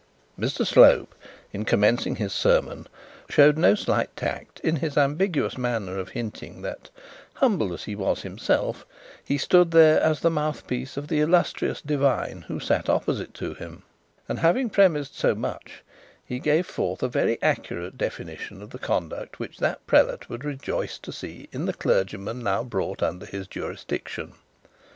Mr Slope, in commencing his sermon, showed no slight tact in his ambiguous manner of hinting that, humble as he was himself, he stood there as the mouthpiece of the illustrious divine who sat opposite to him; and having presumed so much, he gave forth a very accurate definition of the conduct which that prelate would rejoice to see in the clergymen now brought under his jurisdiction.